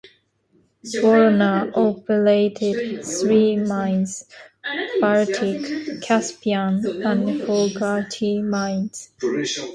Voroner operated three mines, Baltic, Caspian, and Fogarty mines.